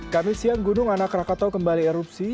kami siang gunung anak rakatau kembali erupsi